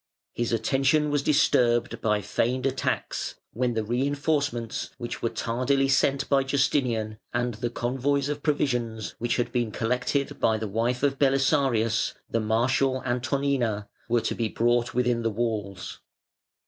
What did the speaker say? His attention was disturbed by feigned attacks, when the reinforcements, which were tardily sent by Justinian, and the convoys of provisions, which had been collected by the wife of Belisarius, the martial Antonina, were to be brought within the walls.